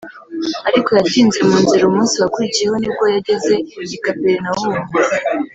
ariko yatinze mu nzira. Umunsi wakurikiyeho nibwo yageze i Kaperinawumu